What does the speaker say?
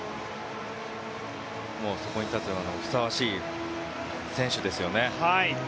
そこに立つのにふさわしい選手ですよね。